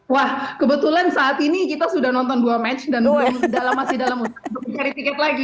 wah kebetulan saat ini kita sudah nonton dua match dan masih dalam untuk mencari tiket lagi